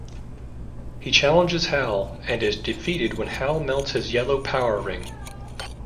He challenges Hal and is defeated when Hal melts his yellow power ring.